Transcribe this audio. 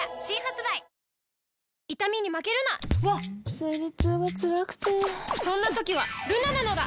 わっ生理痛がつらくてそんな時はルナなのだ！